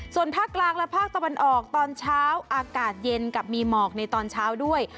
ส่วนภาคกลางและภาคตะวันออกตอนเช้าอากาศเย็นกับมีหมอกในตอนเช้าด้วย